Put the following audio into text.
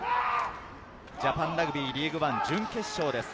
ジャパンラグビーリーグワン準決勝です。